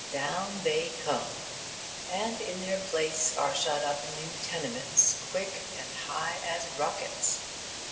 Down they come; and in their place are shot up new tenements, quick and high as rockets.